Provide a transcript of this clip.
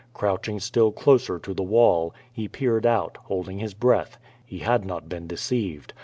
Crouch ing still closer to the wall, he peered out, holding his breath. He had not been deceived.